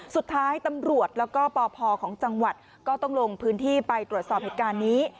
สุดท้ายตำรวจแล้วก็ปพของจังหวัดก็ต้องลงพื้นที่ไปตรวจสอบเหตุการณ์นี้